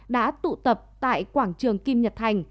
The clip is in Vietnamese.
đã tụ tập tại quảng trường kim nhật thành